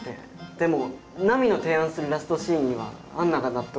でも波の提案するラストシーンには杏奈が納得しなくて。